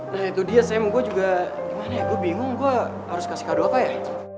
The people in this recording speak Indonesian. nah itu dia saya mau gue juga gimana ya gue bingung gue harus kasih kado apa ya